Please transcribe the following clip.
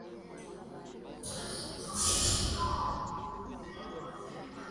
bila ukabila na siasa itakayounganisha usoshalisti au ukomunisti na demokrasia Kumi na tisa Kati